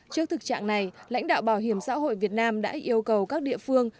trước thực trạng này lãnh đạo bảo hiểm xã hội việt nam đã yêu cầu các địa phương